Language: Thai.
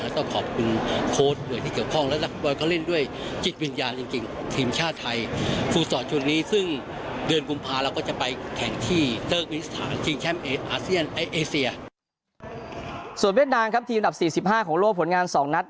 ส่วนเวียดนามครับทีมอันดับ๔๕ของโลกผลงาน๒นัด